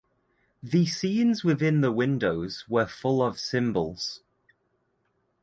The scenes within the windows were full of symbols.